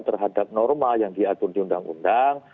terhadap norma yang diatur di undang undang